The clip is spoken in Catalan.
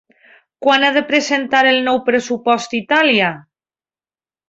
Quan ha de presentar el nou pressupost Itàlia?